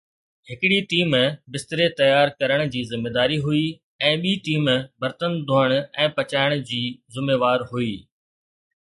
هڪڙي ٽيم بستري تيار ڪرڻ جي ذميداري هئي ۽ ٻي ٽيم برتن ڌوئڻ ۽ پچائڻ جي ذميوار هئي.